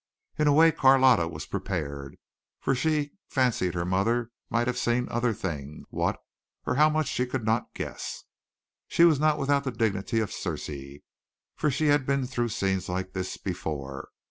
In a way Carlotta was prepared, for she fancied her mother might have seen other things what or how much she could not guess. She was not without the dignity of a Circe, for she had been through scenes like this before.